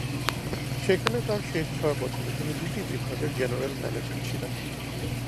সেখানে তার শেষ ছয় বছরে তিনি দুটি বিভাগের জেনারেল ম্যানেজার ছিলেন।